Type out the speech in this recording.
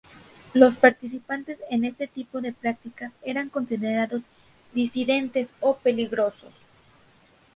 Los participantes en este tipo de prácticas eran considerados disidentes o peligrosos.